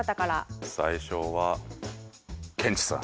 最初はケンチさん。